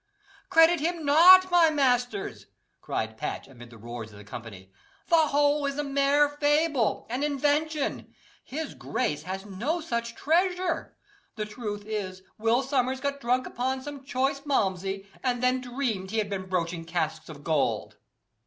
"Credit him not, my masters," cried Patch, amid the roars of the company; "the whole is a mere fable an invention. His grace has no such treasure. The truth is, Will Sommers got drunk upon some choice Malmsey, and then dreamed he had been broaching casks of gold."